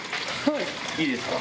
いいですか？